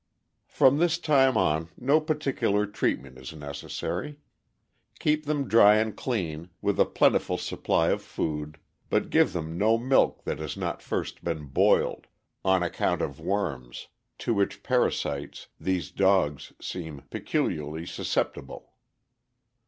From this time on no particular treatment is necessary. Keep them dry and clean, with a plentiful supply of food, but give them no milk that has not first been boiled, on account of worms, to which parasites these dogs seem peculiarly susceptible.